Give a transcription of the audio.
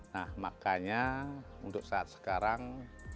nah makanya untuk saat sekarang